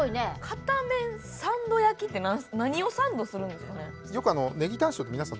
「片面サンド焼き」って何何をサンドするんですかね？